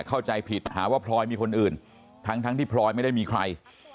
เข้าใจผิดหาว่าพลอยมีคนอื่นทั้งที่พลอยไม่ได้มีใคร